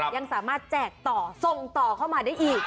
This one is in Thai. ยังสามารถแจกต่อส่งต่อเข้ามาได้อีก